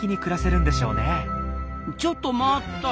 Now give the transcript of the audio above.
ちょっと待った！